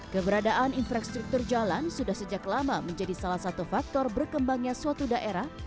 keberadaan infrastruktur jalan sudah sejak lama menjadi salah satu faktor berkembangnya suatu daerah